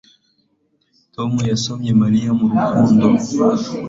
Tom yasomye Mariya mu rukundo